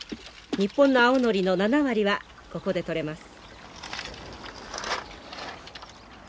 日本の青ノリの７割はここで採れます。